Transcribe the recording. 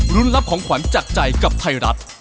รุ้นรับของขวัญจากใจกับไทยรัฐ